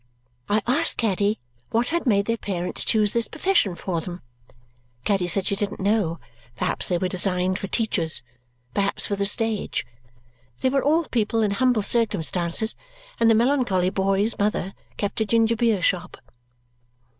I asked Caddy what had made their parents choose this profession for them. Caddy said she didn't know; perhaps they were designed for teachers, perhaps for the stage. They were all people in humble circumstances, and the melancholy boy's mother kept a ginger beer shop.